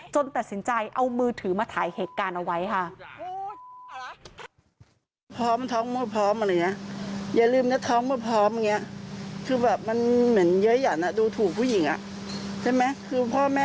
ตัดสินใจเอามือถือมาถ่ายเหตุการณ์เอาไว้ค่ะ